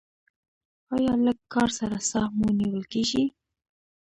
ایا لږ کار سره ساه مو نیول کیږي؟